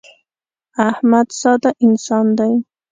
احمد ساده انسان دی.